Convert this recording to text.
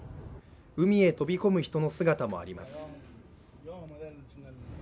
海へ飛び込む人の姿もあります。